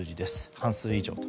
半数以上と。